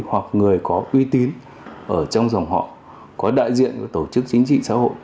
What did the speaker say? hoặc người có uy tín ở trong dòng họ có đại diện của tổ chức chính trị xã hội